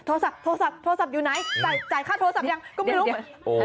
โทรศัพท์โทรศัพท์อยู่ไหนจ่ายค่าโทรศัพท์ยังก็ไม่รู้